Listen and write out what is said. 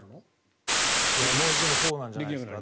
そうなんじゃないですか？